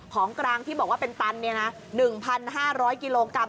ของกลางที่บอกว่าเป็นตัน๑๕๐๐กิโลกรัม